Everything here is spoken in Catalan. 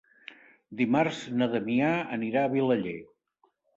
Dimarts na Damià anirà a Vilaller.